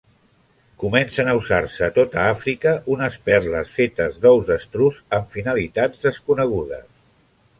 Comencen a usar-se a tota Àfrica unes perles fetes d'ous d'estruç amb finalitats desconegudes.